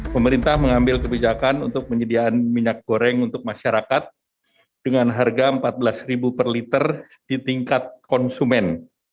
pemerintah mengambil kebijakan untuk penyediaan minyak goreng untuk masyarakat dengan harga rp empat belas per liter di tingkat konsumen